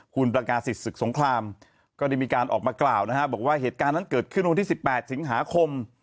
คุณประกาศิษศึกสงครามก็ได้มีการออกมากล่าวนะฮะบอกว่าเหตุการณ์นั้นเกิดขึ้นวันที่๑๘สิงหาคม